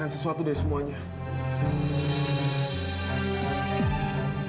kalau pasa b larva sama orang